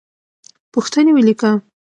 پوښتنې ولیکه.